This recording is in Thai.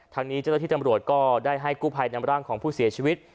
ทางนี้เจ้าหน้าที่ตำรวจก็ได้ให้กู้ภัยนำร่างของผู้เสียชีวิต